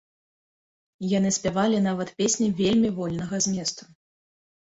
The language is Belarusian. Яны спявалі нават песні вельмі вольнага зместу.